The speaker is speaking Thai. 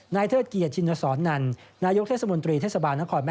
นายเทอดเกียรติชินวศรนั่นนายกเทศบุญตรีเทศบาลนักคอรแม่สอด